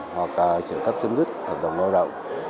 hoặc trợ cấp chấm dứt hợp đồng lao động